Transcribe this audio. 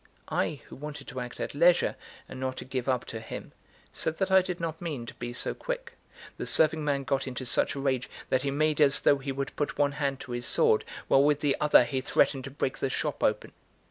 I, who wanted to act at leisure and not to give up to him, said that I did not mean to be so quick. The serving man got into such a rage that he made as though he would put one hand to his sword, while with the other he threatened to break the shop open.